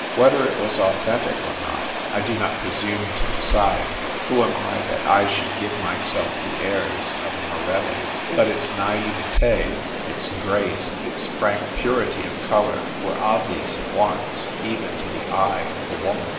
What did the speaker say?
Whether it was authentic or not I do not presume to decide ; who am I that I should give myself the airs of a Morelli ? But its naivete^ its grace, its frank purity of colour, were obvious at once, even to the eye of a woman.